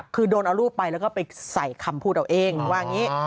คือโดนเอารูปไปแล้วก็ไปใส่คำพูดเอาเองว่าอย่างนี้